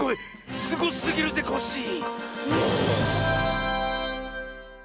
すごすぎるぜコッシー！